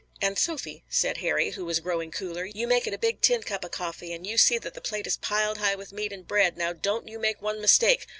"And Sophy," said Harry, who was growing cooler, "you make it a big tin cup of coffee and you see that the plate is piled high with meat and bread. Now don't you make one mistake.